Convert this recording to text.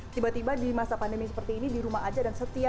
tiba tiba di masa pandemi seperti ini di rumah saja dan selalu bisa